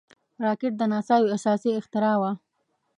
راکټ د ناسا یو اساسي اختراع وه